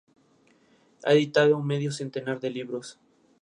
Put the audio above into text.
Ha editado medio centenar de libros.